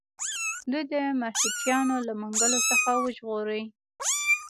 دوی د مرهټیانو له منګولو څخه وژغوري.